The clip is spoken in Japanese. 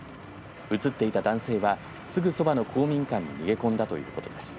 映っていた男性はすぐそばの公民館に逃げ込んだということです。